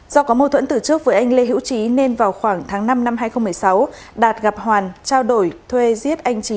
do có mâu thuẫn từ trước với anh lê hữu trí nên vào khoảng tháng năm năm hai nghìn một mươi sáu đạt gặp hoàn trao đổi thuê giết anh trí